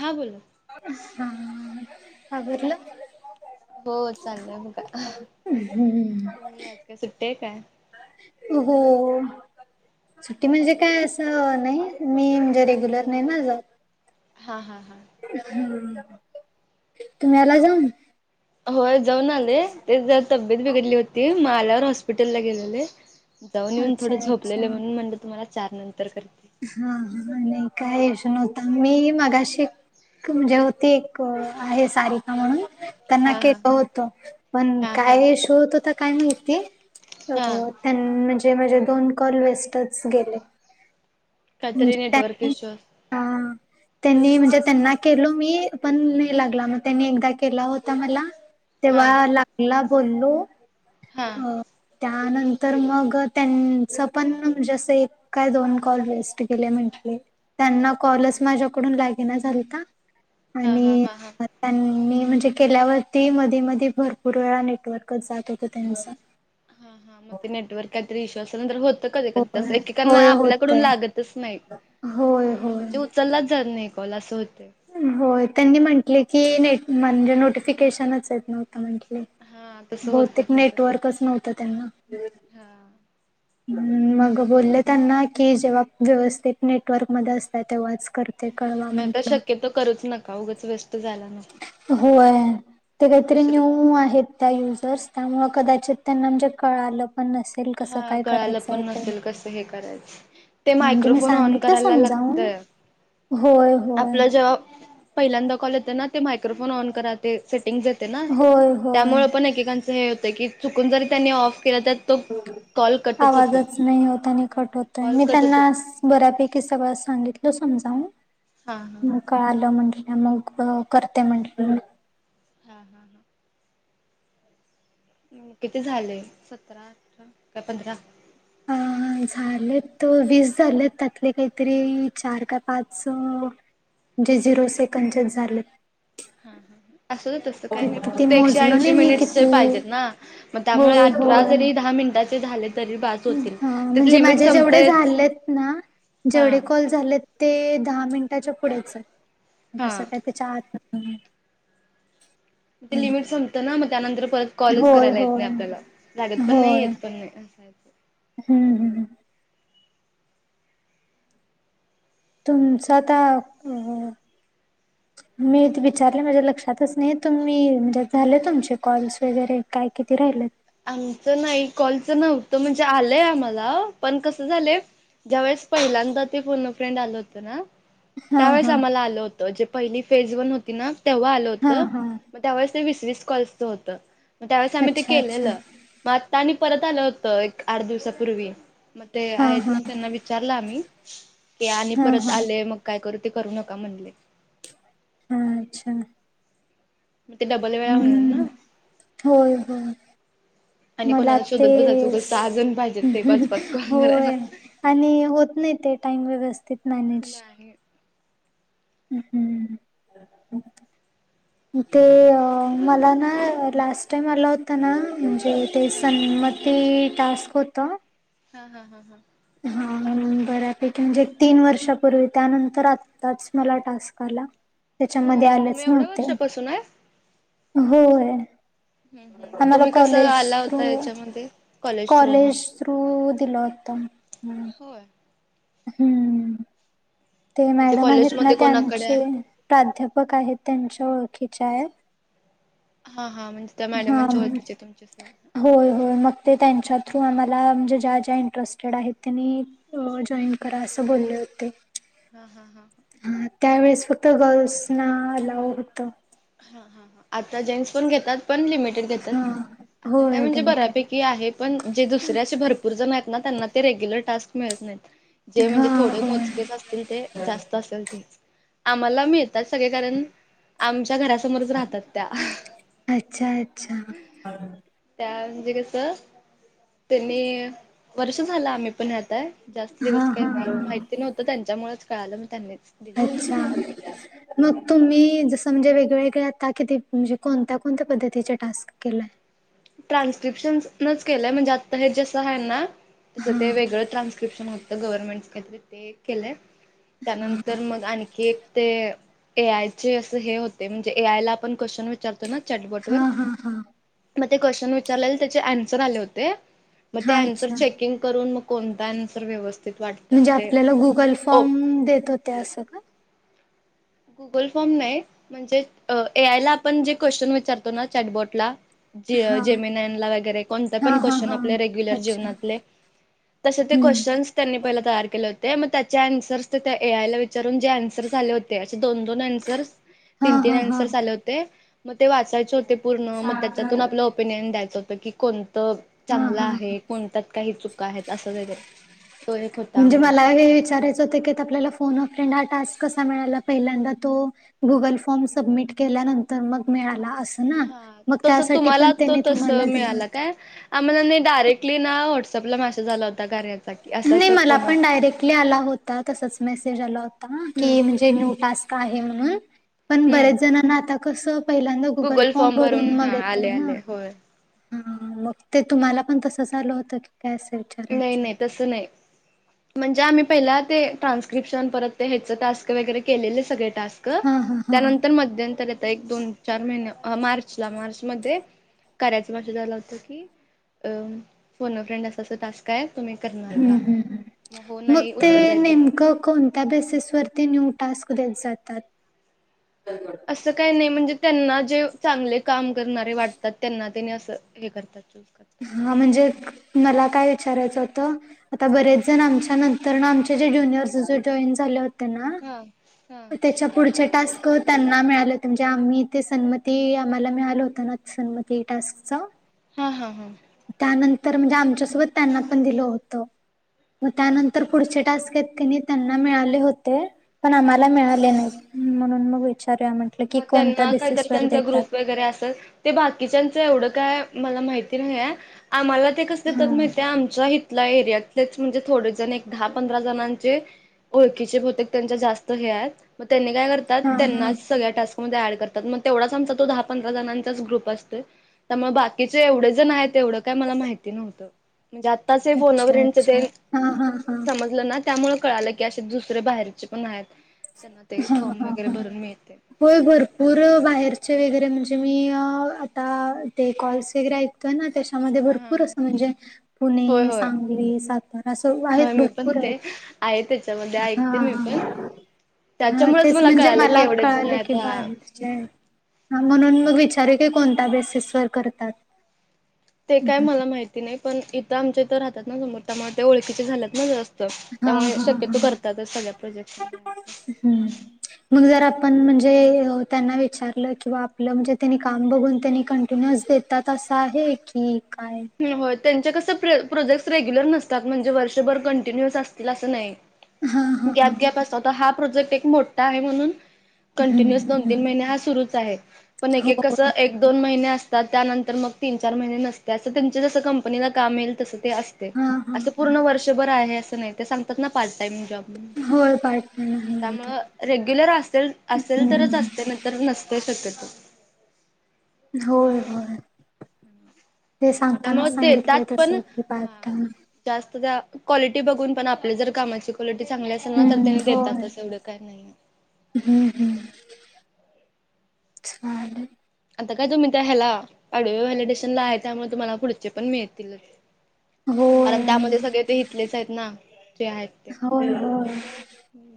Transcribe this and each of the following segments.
हा बोला हा, हा आवरलं हो चाललय बघा तुम्ही आज का सुट्टीय काय? हो सुट्टी हा म्हणजे हा. काय असं नाही मी म्हणजे रेग्युलर नाही ना जात हा, हा, हा तुम्ही आला जाऊन? होय जाऊन आलेय तेच जरा तब्येत बिघडली होती म आल्यावर हॉस्पिटलला गेलेले जाऊन येऊन थोड अच्छा अच्छा झोपलेले म्हणून म्ह तुम्हाला चार नंतर कर हा, हा नाही काय येशु नव्हता मी मगाशी म्हणजे होती एक आहे सारिका म्हणून त्यांना हा हा केलं होत पण हा हा काय इश्यू होत होता काय माहिती हा त्यांन म्हणजे माझे दोन कॉल वेस्टच गेले. काततरी नेटवर्क इशू आस हां, त्यांनी म्हणजे, त्यांना केलो मी, पण नाही लागला, मग त्यांनी एकदा केला होता मला. हा. तेव्हा लागला, बोललो हा मग. त्यानंतर मग त्यांच पण म्हणजे अस एक काय दोन कॉल वेस्ट गेले म्हटले, त्याना कॉलच माझ्या कडुन लागेना झालता. हा हा आणि हा हा. त्यांनी म्हणजे केल्यावरती मधी मधी भरपूर वेळा नेटवर्कच जात होत त्यांचं. हा हा म नेटवर्क काय तर ईशु असेल तर होत त कधी कधी होय तस, एकेकांना होय आपल्याकडून होतय लागतच नाही, होय म्हणजे होय ऊचललाच जात नाही कॉल, असं होतय. होय, त्यांनी म्हंटले की नेट म्हणजे नोटिफिकेशनच येत नव्हत. कारन की हा तसं होतं बहुतेक ते क नेटवर्कच नव्हतं त्यांना. हा हमम, मग बोलले त्यांना, की जेव्हा व्यवस्थित नेटवर्क मध्ये असतात, तेव्हाच कर ते कॉल हा नाही तर म्हटल, शक्यतो करूच नका उगच वेस्ट जायला नको. होय. ते काहीतरी दुसरं कोण न्यू आहेत. त्या युजर्स त्यामुळ कदाचित त्यांना म्हणजे कळालं पण नसेल कसं हा कळालं करायचं पण हाय ते नसेल कसं हे करायचं ते म्हणजे मी मायक्रोफोन ऑन सांगितलं करायला समजावून लागतंय. होय होय आपलं जे पहिल्यांदा कॉल येतं ना ते मायक्रोफोन ऑन करत ते सेटिंग जाते ना होय होय. त्यामुळे पण एकेकच हे होतं की चुकून जरी त्यांनी ऑफ केलं तर तो कॉल कटच होतो. आवाजच नाही होत आणि हा कट होतय कॉल मी कटच त्यांना होतो बऱ्यापैकी सगळ सांगितलं समजाून, हा हा. कळालं म्हटलं मग करते म्हटलं मी. हा हा हा किती झाले सतरा अठरा काय पंधरा. हम. झालेत त वीस झालेत त्यातले काहीतरी चार का पाच अ जे झिरो सेकंद चेच झालेत. हा हा असुदे तस काय नाही किती फक्त एकशे मोजलो ऐंशी नाही मी मिनिट किती पाहिजेत ना मग त्यामुळे होय अठरा जरी दहा मिनिटाचे झाले, तरी बास होतील ह त्यात म्हणजे लिमिट माझे जेवढे संपतयच झालेत ना हा जेवढे कॉल झाले. ते दहा मिनिटाच्या पुढेच आहे हा जसं काय त्याच्या आत हम् ते लिमिट संपत ना मग त्यानंतर परत कॉलच होय करायला येत नाही होय आपल्याला लागत पण नाही होय येत पण नाही. हम्म हम तुमच आता अ मी विचारले माझ्या लक्षातच नाही तुम्ही म्हणजे झाले तुमचे कॉल्स वगैरे काय किती राहिलेत. आमचं नाही कॉलचं नव्हत म्हणजे आलंय आम्हाला पण कसं झालंय ज्यावेळेस पहिल्यांदा ते फोन अ फ्रेंड आलं होतं ना, हा त्यावेळेस हा आम्हाला आलं होत जे पहिली फेज वन होती ना तेव्हा आलं होत. हा हा मग त्यावेळेस ते वीस वस कॉलच होतं मग त्यावेळेस आम्ही ते अच्छा अच्छा केलेलं. म आता आणि परत आलं होतं एक आठ दिवसापूर्वी, मग ते हा आहेत हा ना त्यांना विचारलं आम्ही की आणि हा परत हा आले मग काय करू ते करू नका म्हणले. हा अच्छा. मग ते डबल वेळा होणार हम्म ना. होय होय. आणि मला कोणाला ते शोधत बसायचं उगाच सहा स जण पाहिजेत ते पाच पाच कॉल करायला. होय. आणि होत नाही ते टाईम व्यवस्थित मॅनेज. नाही हम्म ते मला ना लास्ट टाइम आला होता ना म्हणजे ते हा सन्मती टास्क होत. हा हा हा हा! हा! बऱ्यापैकी म्हणजे तीन वर्षापूर्वी त्यानंतर आताच मला टास्क आला. त्याच्यामध्ये आलेच नव्हते. कस नाय. होय. हम्म हम्म मग आम्हाला तुम्ही कसं कॉलेज आला थ्रू होता याच्यामध्ये थ्रू हा कॉलेज, थ्रू दिलय आत्ता ह होय. हम्म. ते म्हणजे मॅडम आहेत ना कॉलेजमध्ये ते कोणाकडे आचे प्राध्यापक आहेत त्यांच्या ओळखीच्या आहेत. हा हा म्हणजे त्या मॅडमांची ओळखीचे तुमचे सर हा. हो मग- ते त्यांच्या थ्रू आम्हाला म्हणजे ज्या ज्या इंटरेस्टेड आहेत त्यांनी अ जॉईन करा असं बोलले होते. हा हा हा! हा त्यावेळेस फक्त गर्ल्स ना अलाव होत. हा हा आता जेंट्स पण घेतात पण लिमिटेड घेतात हा आता काय होय म्हणजे बऱ्यापैकी लिमिटेड की आहे पण जे दुसऱ्याचे भरपूर जण आहेत ना त्यांना ते रेग्युलर टास्क मिळत नाहीत. जे हा म्हणजे थोडे होय मोजकेस असतील ते जास्त असेल तेच आम्हाला मिळतात सगळे कारण आमच्या घरा समोरच राहतात त्या अच्छा अच्छा त्या म्हणजे कस त्यांनी वर्ष झालं आम्ही पण ह्यात हाय. जास्त हा दिवस हा काही नाही माहिती नव्हतं त्यांच्यामुळेच कळलं मग त्यांनीच दिलं होतं. अच्छा! मग तुम्ही जसं म्हणजे वेगळेवेगळे आता किती म्हणजे कोणत्या कोणत्या पद्धतीचे टास्क केलंय? ट्रान्स्क्रिप्शन नच केलंय म्हणजे आत्ता हे जसं आहे ना तसं हा ते वेगळं ट्रान्स्क्रिप्शन होतं गव्हर्नमेंट काय तरी ते एक केलंय. त्यानंतर मग आणि की ते ए-आयचे असे हे होते म्हणजे ए-आय ला आपण क्वेश्चन विचारतो तो ना चाट हा हम हा! मग ते क्वेशचन विचारलेले त्याचे अन्सर आले होते मग ते हा अन्सर अच्छा चेकिंग करून मग कोणता अन्सर व्यवस्थ म्हणजे आपल्याला गुगल फॉर्म देत होते असं का? गुगल फॉर्म नाही म्हणजे ए-आय ला आपण जे क्वेश्चन विचारतो ना चॅटबॉट ला ज हा जेमेनाय ला वगैरे कोणते हा पण हा क्वेश्चन हा आपले रेग्युलर अच्छा जीवनातले तसे ते हम्म क्वेश्चन्- त्यांनी पहिला तयार केले होते मग त्याचे अन्सर्स त्या ए-आयला विचारून जे अन्सर्स आले हो ते असे दोन दोन अन्सरस हा तीन तीन हा हा अन्सरस आले होते मग ते वाच चायचे होते पूर्ण मग त्याच्यातून आपलं ओपिनियन द्यायचं होतं की कोणत हा चांगला हा हा आहे कोणत्यात काही चुक आहेत असं काही तरी तो एक होता आम्हाला ते विचारायच की आपल्याला फोन अ फ्रेंड हा टास्क कसा मिळाला पहिल्यांदा तो गुगल फॉर्म सबमिट केल्यानंतर मग मिळाला अस होणा हा मग तसं त्यासाठी पण तुम्हाला तो त्यांनी तसं तुम्हाला दिलं मिळाला होत. काय आम्हाला ना... डायरेक्टली ना... व्हॉटसअपला मेसेज आला होता कार्याचा - नई... मला पण डायरेक्टली आला होता... तसाच मेसेज आला होता... हम्म की- जे... न्यू टास्क आहे म्हणून... पण हम्म बऱ्याच जणांना आता कसं- पहिल्यांदा गुगल फॉर्म भरून... मग हा येतोय आले ना? आले होय हा... मग ते तुम्हाला पण, तसंच आलं होतं की काय असं विचार नई, नई... तसं नई म्हणजे... आम्ही पहिला ते... ट्रान्स्क्रिप्शन, परत ते ह्याचं टास्क वगैरे... केलेले सगळे टास्क क... हा हा हा त्यानंतर, मध्यंतरी... आता एक दोन चार महिन्य... मार्चला.. मार्च मध्ये, कार्याचा मेसेज आला होता की अ... फोन अ फ्रेंड अस तसं टास्क हाये... तुम्ही करणार हम्म का? हम्म मग हो... नाई ते उत्तर द्यायचं होतं नेमकं कोणत्या बेसस वरती न्यू टास्क देत जातात? [unintelligible] असं काय नई... म्हणजे त्यांना... जे चांगले काम करणारे वाटतात त्यांना तेनी असं हे करतात... चूस करत- हा... म्हणजे, मला काय विचारायचं होतं आता बरेच जण, आमच्या नंतरनं, आमच्या जे ज्युनियर्स जॉईन झाले होते ना हा... हा त्याच्या पुढचे टास्क त्यांना मिळाले होते... म्हणजे आम्ही ते.. सन्मती आम्हाला मिळालं होतं ना सन्मती टास्कचं हा हा हा त्यानंतर म्हणजे आमच्यासोबत... त्यांना पण दिलं होतं मग हा त्यानंतर पुढचे टास्क हेत कनी त्यांना मिळाले होते मला हा मिळाले नाहीत... म्हणून मग विचारूया म्हटलं की मग कोणत्या त्यांना... काईतरी बेसिसवर त्यांचा देतात? ग्रुप वगैरे असल ते बाकीच्यांचं... एवढं काय... मला माहिती नाई ए आम्हाला ते कसं हा. देतात माहितीया... आमचा हिथला एरिया तेच म्हणजे... थोडेजण एक दहा पंधरा जणांचे ओळखीचे बहुतेक त्यांच्या जास्त हे आहेत... मग त्यांनी काय करतात... हा हा त्यानाच सगळ्या टास्क मध्ये ऍड करतात... मग तेवढाच आमचा तो दहा पंधरा जणांचाच ग्रुप असतोय त्यामुळे बाकीचे एवढे जण हायेत... तेवढं काय मला माहित नव्हतं... म्हणजे आ आताचे फोन अ अच्छा फेंडचं अच्छा ते हा हा हा समजलं ना त्यामुळे कळालं की, असे दुसरे बाहेरचे पण हायेत... त्यांना ते हा फॉर्म हा वगैरे हा भरून मिळतंय होय... भरपूर... बाहेरचे वगैरे... म्हणजे मी आता... ते कॉल्स वगैरे ऐकू- ना त्याच्यामध्ये हा भरपूर हा असं म्हणजे होय पुणे, होय सांगली, सातारा असं आहेत... होय मी पण भरपूर आहेत ते आहे त्याच्यामध्ये... ऐकते मी पण... हा हा त्याच्यामुळेच तेच मला कळालं की एवढे जण आहेत आता चे... हा... म्हणून मग विचारुया की कोणत्या बेसेसेवर करतात ते काय मला माहिती नाई... पण इथं, आमच्या इथं राहतात ना समोर... त्यामुळे ते ओळखीचे झाल्यात ना जास्त हा त्यामुळे हा शक्यतो हा करतातच सगळ्या प्रोजेक्ट मध्ये. हम्म मग जर आपण... म्हणजे, त्यांना विचारलं किंवा आपलं म्हणजे... तेनी काम बघून... त्यांनी कंटिन्यूज दे तात... असं आहे की काय? होय... त्यांचे कसं प्र... प्रोजेक्टस... रेग्युलर नसतात, म्हणजे वर्षभर कंटिन्युअस असतील असं नाई हां, हां, गॅप हां. गॅप असतो... हा प्रोजेक्ट एक मोठ्ठा आहे म्हणून कंटिन्युअस दोन तीन महिने हा सुरुच आहे... पण एक हो. एक कसं? एक दोन महिने असतात... त्यानंतर मग तीन चार महिने नसत्या... असं त्यांचे जसं कंपनीला काम येईल तसं ते असतय... हां, असं हां. पूर्ण वर्षभर आहे असं नाई... ते सांगतात ना... पार्ट टाइम जॉब होय पार्ट टाईम आहे म्हणतात. त्यामुळं रेग्युलर असेल... असेल तरच हम्म. असतयं तर नसतय शक्यतो होय होय... ते त्यामुळे सांगतानाच... देतात सांगितलंय पण तसं की, पार्ट टाईम जास्त त्या क्वालिटी बघून पण आपल्या जर कामाची क्वालिटी चांगली अस त्यांना तर हम्म. ते होय. देतातच एवढं काय नाहीये. हम्म हम्म चालेल. आता काय तुम्ही त्या ह्याला ओडिओ व्हॅलिडेशन ला आहे त्यामुळे तुम्हाला पुढचे पण मिळतीलच. कारण होय. त्यामध्ये सगळे ते हितलेच आहेत ना जे आहेत ते होय होय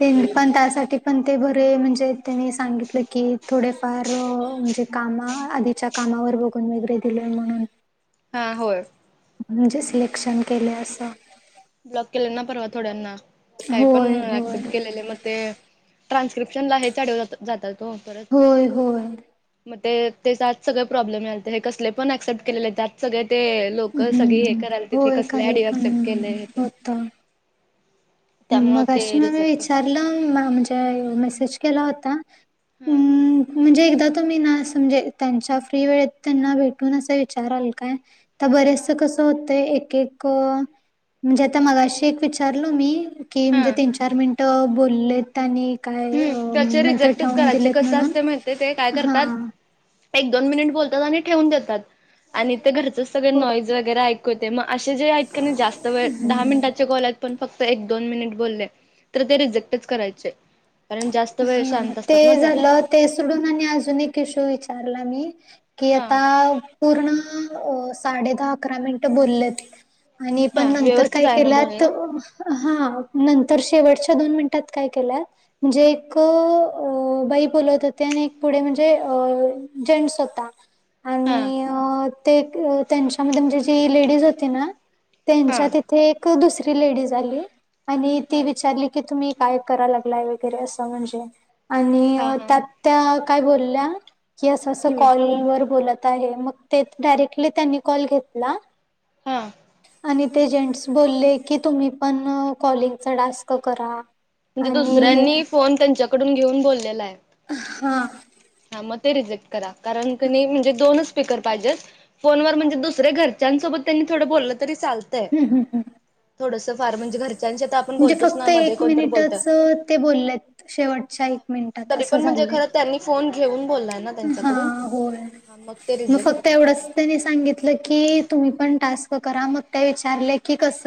ते पण त्यासाठी पण ते भरे म्हणजे त्यांनी सांगित की थोडेफार म्हणजे कामा आधीच्या कामावर बघून वगैरे दिल म्हणून हा होय. म्हणजे सिलेक्शन केलय असं ब्लॉक केले ना परवा थोड्यांना काय पण होय होय ऍक्सेप्ट केलेले मग ते ट्रान्स्क्रिप्शनला हेच ओडिओ जात जातात ओ- होय होय. म ते त्याचत सगळे प्रॉब्लेम यालते हे कसले पण ऍक्सेप्ट केलेले त्यात सगळे ते लोक सगळी हे हम्म करालती हे कसले ओडीओ एक्सेप्ट केलेत. होता. त्यामुळे मगाशी ते म्या मी रिजेक्टच विचारलं म म्हणजे मेसेज केला होता. हा हम्म म्हणजे एकदा तुम्ही ना अस मजे त्यांच्या फ्री वेळेत त्यांना भेटून असं विचाराल काय? त बरेच हा कसं होतंय एक एक म्हणजे आता मगाशी एक विचारलो मी की हा म्हणजे तीन चार मिनिट बोलले त्यांनी काय हम्म अ त्याचे नंतर रिजेक्टच ठेवून करायचे दिलेत कसं म्हणून असते माहिती ते काय हा करतात एक दोन मिनिट बोलतात आणि ठेवून देतात आणि ते घरचं सगळे हो. नॉईज वगैरे ऐक म असे जे आहेत कणय जास्त वेळ दहा मिनटात ते कॉल आहेत पण फक्त एक दोन मिनिट बोलले तर ते रिजेक्टच करायचे. कारण जास्त वेळ ह शांत ते असतात ना त्यात झालं. ते सोडून आणि अजून एक ईशु विचारला मी की आता पूर्ण अ साडे दहा अकरा मिनिटं बोललेत आणि पण हा नंतर व्यवस्थित काय आहे ना केल्यात बोलणं हा नंतर शेवटच्या दोन मिनिटात काय केल्यात म्हणजे एक अ बाई बोलत होते आणि एक पुढे म्हणजे अ जेंट्स होता आणि अ ते त्यांच्या मध्ये जी लेडीज होती ना त्यांच्या तिथ ते एक दुसरी लेडीज आली आणि ती विचारली की तुम्ही काय कराय लागला व वगैरे अस म्हणजे आणि त्यात त्या काय बोलल्या की असं असं कॉल वर बोलत आहे मग ते डायरेक्टली त्यांनी कॉल घेतला. हा आणि ते जेंट्स बोलले की तुम्ही पण कॉलिंगचा डास्क करा. म्हणजे आणि दुसऱ्यांनी फोन त्यांच्याकडून घेऊन बोललेलाय. हा हा मग ते रिजेक्ट करा कारण कनी म्हणजे दोनच स्पीकर पाहिजेत फोनवर म्हणजे दुसरे घरच्यासोबत त्यांनी बोललं तरी चाल हूं हूं हूं घरच्यांच्या तर आपण म्हणजे बोलतोच फक्त ना मध्ये एक कोणतर बोलतं मिनिटच ते बोललेत शेवटच्या एक मिनिटात तरी असं पण म्हणजे झालंय. खरं त्यांनी फोन घेऊन बोला हा होय म रिजेक्ट फक्त एवढंच करायचं. त्यांनी सांगित म्हटलं की तुम्ही पण टास्क करा मग त्या विचारले की कस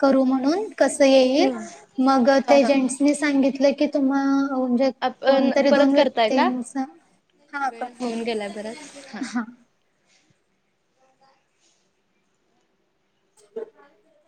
करू म्हणून कस येईल हम्म मग त्या जेंट्नी सांगितलं की तुम्ह म्हणजे आपण कोणतरी दोन परत करताय का? व्यक्तींचा हा वेळ करते होऊन की गेलाय बराच हा [unintelligible]